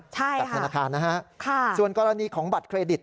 จากธนาคารนะฮะส่วนกรณีของบัตรเครดิต